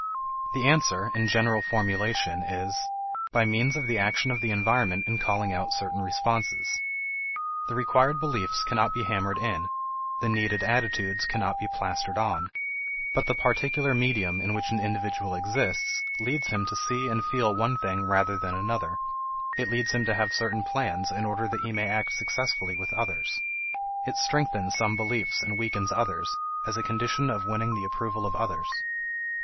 The answer, in general formulation, is: By means of the action of the environment in calling out certain responses. The required beliefs cannot be hammered in; the needed attitudes cannot be plastered on. But the particular medium in which an individual exists leads him to see and feel one thing rather than another; it leads him to have certain plans in order that he may act successfully with others; it strengthens some beliefs and weakens others as a condition of winning the approval of others.